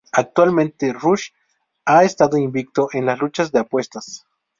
Actualmente Rush ha estado invicto en las luchas de apuestas.